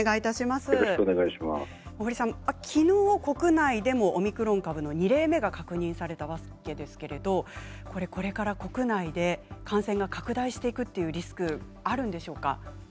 きのう国内でもオミクロン株の２例目が確認されましたがこれから国内で感染が拡大していくリスクはあるんでしょうか？